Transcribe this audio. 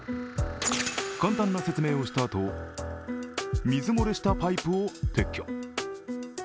簡単な説明をしたあと水漏れしたパイプを撤去。